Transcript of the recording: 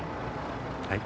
はい。